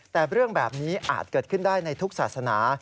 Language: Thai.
แต่เรื่องแบบนี้อาจเกิดขึ้นได้ในทุกศาสนา